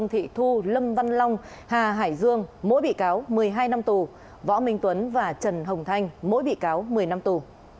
hải dương mỗi bị cáo một mươi hai năm tù võ minh tuấn và trần hồng thanh mỗi bị cáo một mươi năm tù